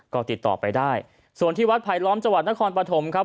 ก็ติดต่อไปได้ส่วนที่วัดไผลล้อมจังหวัดนครปฐมครับ